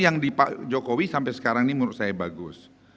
yang di pak jokowi sampai sekarang ini menurut saya bagus